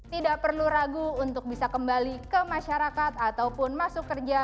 tidak perlu ragu untuk bisa kembali ke masyarakat ataupun masuk kerja